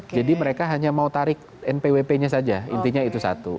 oke oke jadi mereka hanya mau tarik npwp nya saja intinya itu satu